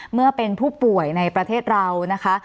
เมื่อเป็นผู้ป่วยในประเทศเรานะคะ